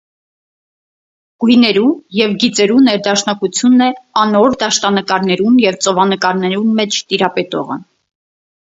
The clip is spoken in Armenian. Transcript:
Գոյներու եւ գիծերու ներդաշնակութիւնն է անոր դաշտանկարներուն եւ ծովանկարներուն մէջ տիրապետողը։